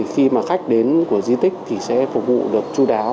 khi khách đến của di tích sẽ phục vụ được chú đáo